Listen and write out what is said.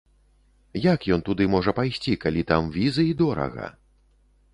Як ён туды можа пайсці, калі там візы і дорага?